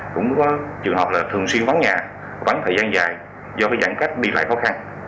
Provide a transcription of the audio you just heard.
nhưng mà người dân cũng có trường hợp là thường xuyên vắng nhà vắng thời gian dài do cái giãn cách đi lại khó khăn